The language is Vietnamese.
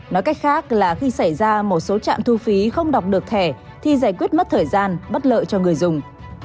nói cách khác là khi xảy ra một số trạm thu phí không đọc được thẻ thì giải quyết mất thời gian bất lợi cho người dùng